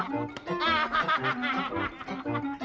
kena jel kena